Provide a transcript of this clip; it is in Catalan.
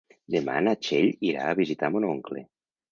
Demà na Txell irà a visitar mon oncle.